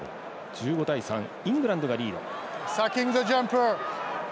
１５対３イングランドがリード。